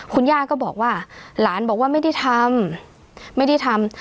คุณย่าก็บอกว่าหลานบอกว่าไม่ได้ทำไม่ได้ทำ